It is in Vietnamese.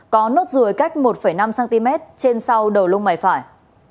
có nốt ruồi cách một năm cm trên sau đầu lông mày phải